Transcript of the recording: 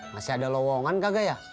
masih ada lowongan kagak ya